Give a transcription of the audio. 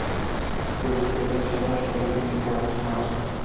তাঁদের উদ্ধার করে ফেনী সদর হাসপাতালে ভর্তির পর একজন মারা যান।